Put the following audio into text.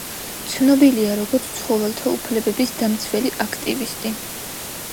ცნობილია როგორც ცხოველთა უფლებების დამცველი აქტივისტი.